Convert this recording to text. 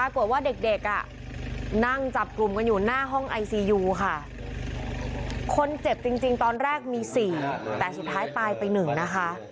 คนเจ็บจริงตอนแรกมี๔แต่สุดท้ายปลายไป๑นะคะ